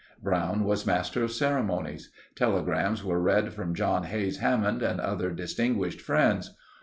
Brown was master of ceremonies. Telegrams were read from John Hays Hammond and other distinguished friends.